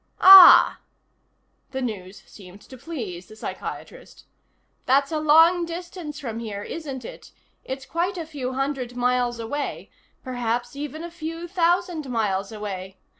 "Ah." The news seemed to please the psychiatrist. "That's a long distance from here, isn't it? It's quite a few hundred miles away. Perhaps even a few thousand miles away.